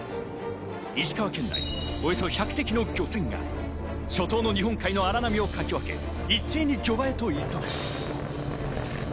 石川県内、およそ１００隻の漁船が初冬の日本海の荒波をかき分け一斉に漁場へと急ぐ。